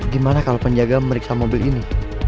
gimana kalau penjaga memeriksa mobil ini